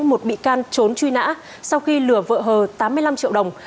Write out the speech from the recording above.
một bị can trốn truy nã sau khi lừa vợ hờ tám mươi năm triệu đồng